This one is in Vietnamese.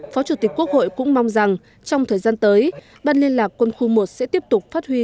phó chủ tịch quốc hội cũng mong rằng trong thời gian tới ban liên lạc quân khu một sẽ tiếp tục phát huy